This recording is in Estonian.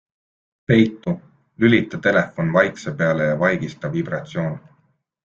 PEITU - lülita telefon vaikse peale ja vaigista vibratsioon.